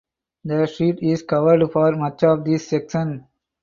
The street is covered for much of this section.